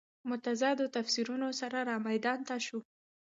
متضادو تفسیرونو سره رامیدان ته شو.